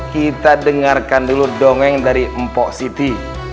kita dengarkan dulu dongeng dari mpok siti